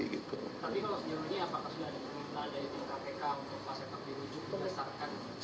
tapi kalau sejauh ini apakah sudah ada permintaan dari tim kpk untuk pasien yang lebih rujuk